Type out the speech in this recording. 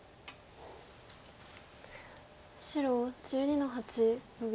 白１２の八ノビ。